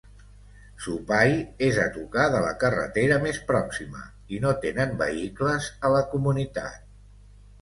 Supai és a tocar de la carretera més pròxima i no tenen vehicles a la comunitat.